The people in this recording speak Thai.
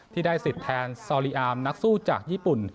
ที่ได้สิทธิ์แทนซอลีอาร์มนักสู้จากญี่ปุ่น